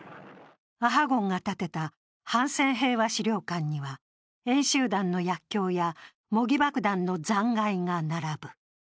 阿波根が建てた反戦平和資料館には、演習弾の薬きょうや模擬爆弾の残骸が並ぶ。